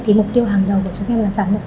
thì mục tiêu hàng đầu của chúng em là sản phẩm